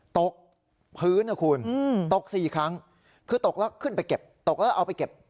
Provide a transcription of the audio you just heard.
ตกพื้นนะคุณตก๔ครั้งคือตกแล้วขึ้นไปเก็บตกแล้วเอาไปเก็บ